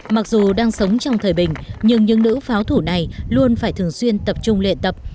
mặc dù đang sống trong thời bình nhưng những nữ pháo thủ này luôn phải thường xuyên tập trung luyện tập